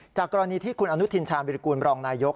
กรณีที่คุณอนุทินชาญวิรากูลรองนายก